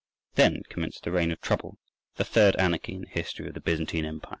Then commenced the reign of trouble, the "third anarchy" in the history of the Byzantine Empire.